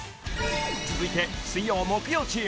［続いて水曜・木曜チーム］